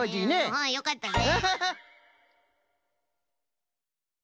うんよかったね。